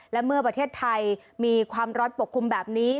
และเมื่อประเทศไทยมีความร้อนปกคลุมแบบนี้